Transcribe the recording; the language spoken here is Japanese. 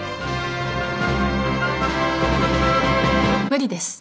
無理です。